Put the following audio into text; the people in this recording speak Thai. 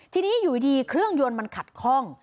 ทีนี้อยู่ดีเครื่องยนต์มันขัดคล่อง